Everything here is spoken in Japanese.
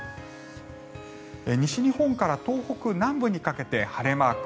西日本から東北南部にかけて晴れマーク。